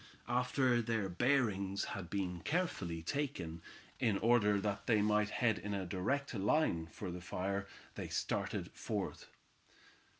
After their bearings had been carefully taken, in order that they might head in a direct line for the fire, they started forth.